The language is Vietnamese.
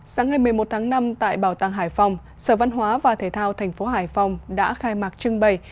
sáng ngày một mươi một tháng năm tại bảo tàng hải phòng sở văn hóa và thể thao thành phố hải phòng đã khai mạc trưng bày